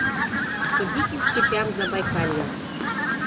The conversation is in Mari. По диким степям Забайкалья